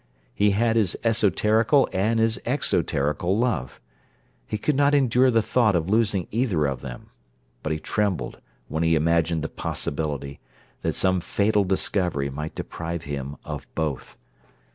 He had his esoterical and his exoterical love. He could not endure the thought of losing either of them, but he trembled when he imagined the possibility that some fatal discovery might deprive him of both.